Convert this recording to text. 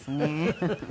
フフフフ。